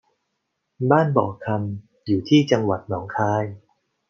บ้านบ่อคำอยู่ที่จังหวัดหนองคาย